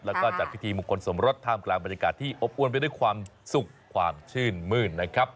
แล้วก็จัดพิธีมงคลสมรสท่ามกลางบรรยากาศที่อบอวนไปด้วยความสุขความชื่นมืดนะครับ